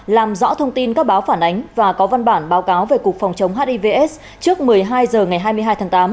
làm rõ thông tin các báo phản ánh và có văn bản báo cáo về cục phòng chống hivs trước một mươi hai h ngày hai mươi hai tháng tám